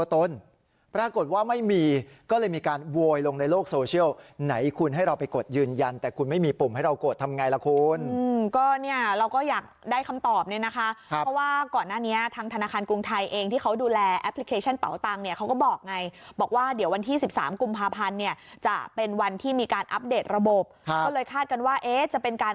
ถ้ามันขึ้นต้องบอกแบบนี้ก่อนถ้ามันขึ้น